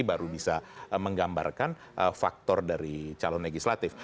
baru bisa menggambarkan faktor dari calon legislatif